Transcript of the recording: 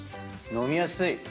飲みやすい。